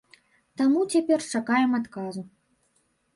Таму цяпер чакаем адказу.